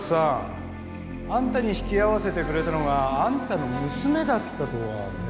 あんたに引き合わせてくれたのがあんたの娘だったとはね